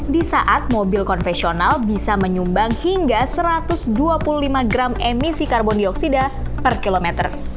di saat mobil konvensional bisa menyumbang hingga satu ratus dua puluh lima gram emisi karbon dioksida per kilometer